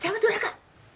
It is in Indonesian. siapa tuh raga